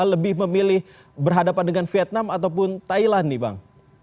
lebih memilih berhadapan dengan vietnam ataupun thailand nih bang